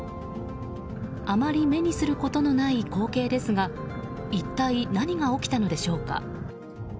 あまり目にすることがない光景ですが一体何が起きたのでしょうか。